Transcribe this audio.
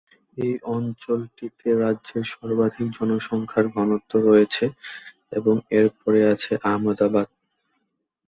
এই অঞ্চলটিতে রাজ্যের সর্বাধিক জনসংখ্যার ঘনত্ব রয়েছে এবং এর পরে আছে আহমেদাবাদ।